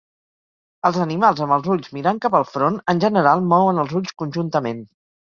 Els animals amb els ulls mirant cap al front, en general mouen els ulls conjuntament.